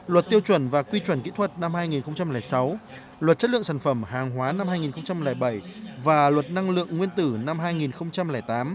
luật tiêu chuẩn và quy chuẩn kỹ thuật năm hai nghìn sáu luật chất lượng sản phẩm hàng hóa năm hai nghìn bảy và luật năng lượng nguyên tử năm hai nghìn tám